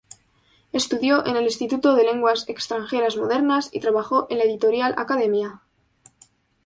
Estudió en el Instituto de Lenguas Extranjeras Modernas y trabajó en la editorial Academia.